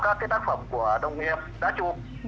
các tác phẩm của đồng nghiệp đã chụp